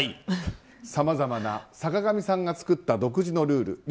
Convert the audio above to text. さまざまな坂上さんが作った独自のルール